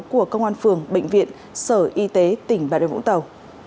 của công an phường bệnh viện sở y tế tỉnh bạ điệp vũng tàu